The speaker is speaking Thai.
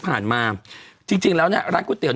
เอาฟ้าพระพิธีครูเปอร์มา